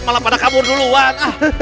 malah pada kabur duluan